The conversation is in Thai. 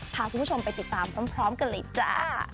พาคุณผู้ชมไปติดตามพร้อมกันเลยจ้า